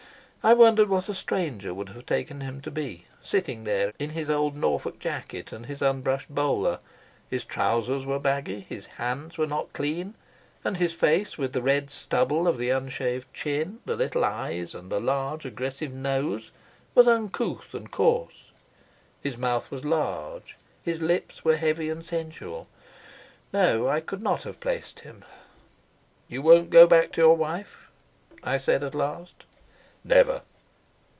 I wondered what a stranger would have taken him to be, sitting there in his old Norfolk jacket and his unbrushed bowler; his trousers were baggy, his hands were not clean; and his face, with the red stubble of the unshaved chin, the little eyes, and the large, aggressive nose, was uncouth and coarse. His mouth was large, his lips were heavy and sensual. No; I could not have placed him. "You won't go back to your wife?" I said at last. "Never."